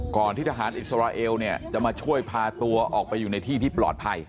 ที่ทหารอิสราเอลเนี่ยจะมาช่วยพาตัวออกไปอยู่ในที่ที่ปลอดภัย